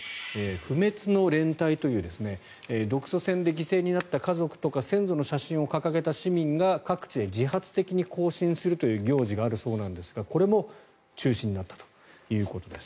不滅の連隊という独ソ戦で犠牲になった家族とか先祖の写真を掲げた市民が各地で自発的に行進するという行事があるそうなんですがこれも中止になったということです。